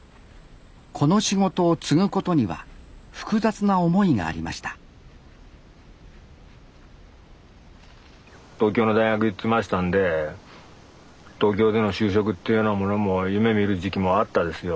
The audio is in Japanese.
この仕事を継ぐことには複雑な思いがありました東京の大学行ってましたんで東京での就職っていうようなものも夢みる時期もあったですよ